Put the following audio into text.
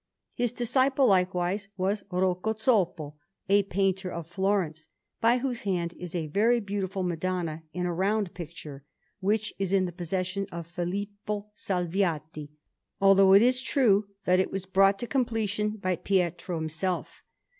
His disciple, likewise, was Rocco Zoppo, a painter of Florence, by whose hand is a very beautiful Madonna in a round picture, which is in the possession of Filippo Salviati; although it is true that it was brought to completion by Pietro himself.